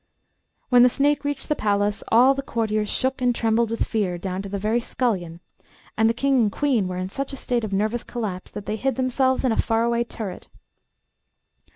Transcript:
When the snake reached the palace, all the courtiers shook and trembled with fear down to the very scullion, and the King and Queen were in such a state of nervous collapse that they hid themselves in a far away turret.